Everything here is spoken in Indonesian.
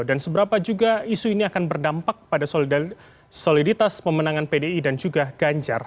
dan seberapa juga isu ini akan berdampak pada soliditas pemenangan pdi dan juga ganjar